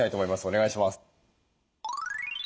お願いします。